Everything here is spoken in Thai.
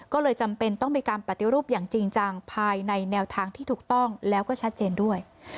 ก็เลยจำเป็นต้องมีการปฏิรูปอย่างจริงจังภายในแนวทางที่ถูกต้องแล้วก็ชัดเจนด้วย